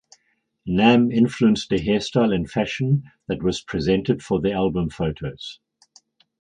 Nam influenced the hairstyle and fashion that was presented for the album photos.